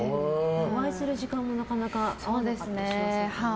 お会いする時間も、なかなか合わなかったりしますしね。